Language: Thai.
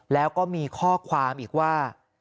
แล้วก็มีข้อความอีกว่า